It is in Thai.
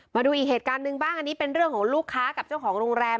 มาดูอีกเหตุการณ์หนึ่งบ้างอันนี้เป็นเรื่องของลูกค้ากับเจ้าของโรงแรม